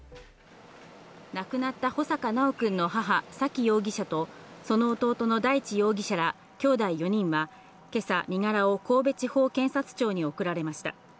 亡くなった穂坂修くんの母・沙喜容疑者とその弟の大地容疑者らがきょうだい４人は今朝身柄を神戸地方検察庁に送られました。